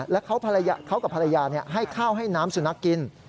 แล้วเขากับภรรยาให้ข้าวให้น้ำสุนัขกิน